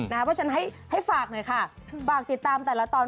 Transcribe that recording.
นะครับว่าฉันให้ฝากหน่อยค่ะบากติดตามแต่ละตอน